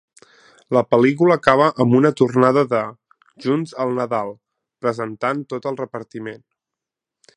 La pel·lícula acaba amb una tornada de "Junts al Nadal", presentant tot el repartiment.